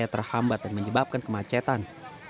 terhambat dan menyebabkan kemacetan